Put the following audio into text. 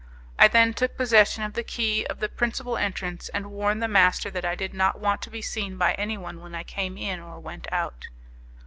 I then took possession of the key of the principal entrance, and warned the master that I did not want to be seen by anyone when I came in or went out.